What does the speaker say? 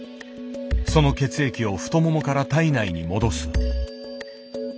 その血液を太ももから体内に戻す。